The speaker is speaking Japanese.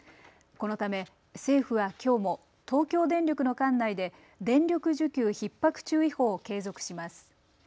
このため政府はきょうも東京電力の管内で電力需給ひっ迫注意報を継続します。